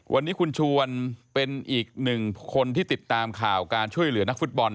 วันนี้คุณชวนเป็นอีกหนึ่งคนที่ติดตามข่าวการช่วยเหลือนักฟุตบอล